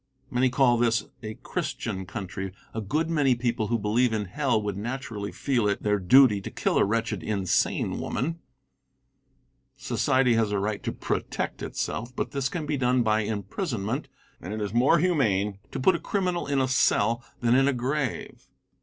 Many call this a Christian country. A good many people who believe in hell would naturally feel it their duty to kill a wretched, insane woman. Society has a right to protect itself, but this can be done by imprisonment, and it is more humane to put a criminal in a cell than in a grave.